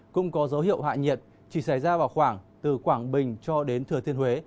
cũng có dấu hiệu hạ nhiệt chỉ xảy ra vào khoảng từ quảng bình cho đến thừa thiên huế